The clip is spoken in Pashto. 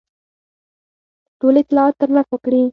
ټول اطلاعات ترلاسه کړي.